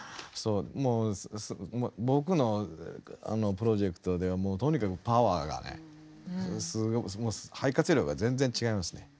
もう僕のプロジェクトではもうとにかくパワーがねすごいもう肺活量が全然違いますね。